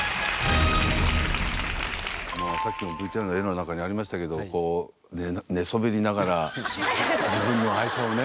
さっきのＶＴＲの画の中にありましたけど寝そべりながら自分の愛車をね